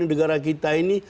negara kita ini